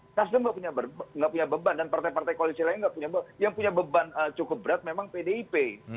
nasdem nggak punya beban dan partai partai koalisi lain yang punya beban cukup berat memang pdip